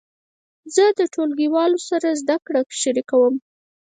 زه د ټولګیوالو سره زده کړه شریکوم.